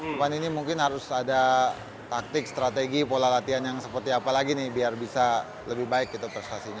depan ini mungkin harus ada taktik strategi pola latihan yang seperti apa lagi nih biar bisa lebih baik gitu prestasinya